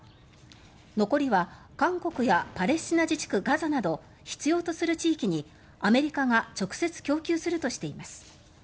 残りは韓国やパレスチナ自治区ガザなど必要とする地域に、アメリカが直接供給するとしています。